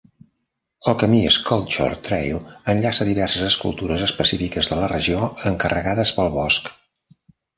El camí Sculpture Trail enllaça diverses escultures específiques de la regió encarregades pel bosc.